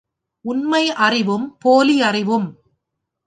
உண்மை அறிவும் போலி அறிவும்...